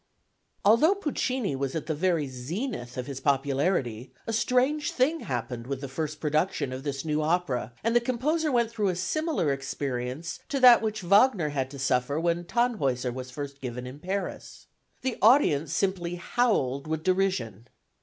Although Puccini was at the very zenith of his popularity a strange thing happened with the first production of this new opera, and the composer went through a similar experience to that which Wagner had to suffer when Tannhäuser was first given in Paris. The audience simply howled with derision.